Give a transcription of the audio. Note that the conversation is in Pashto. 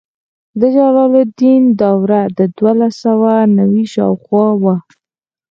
د جلال الدین دوره د دولس سوه نوي شاوخوا وه.